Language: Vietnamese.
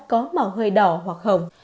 có màu hơi đỏ hoặc hồng